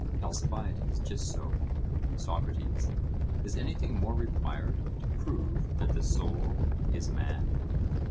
ALCIBIADES: Just so. SOCRATES: Is anything more required to prove that the soul is man?